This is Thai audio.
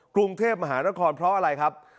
กรุงเทพมหานครเพราะอะไรครับ